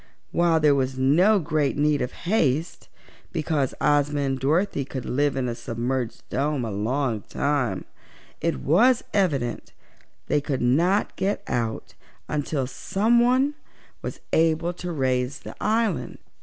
While there was no great need of haste, because Ozma and Dorothy could live in a submerged dome a long time, it was evident they could not get out until someone was able to raise the island.